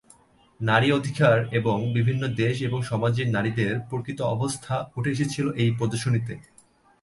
নারী অধিকার এবং বিভিন্ন দেশ এবং সমাজের নারীদের প্রকৃত অবস্থা উঠে এসেছিলো এই প্রদর্শনীতে।